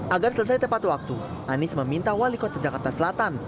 agar selesai tepat waktu anies meminta wali kota jakarta selatan